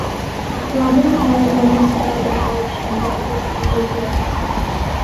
Robin's hill was installed in March and Batman's in April.